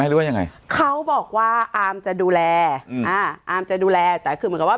หรือว่ายังไงเขาบอกว่าอามจะดูแลอืมอ่าอาร์มจะดูแลแต่คือเหมือนกับว่า